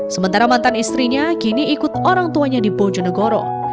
sementara mantan istrinya kini ikut orang tuanya di bojonegoro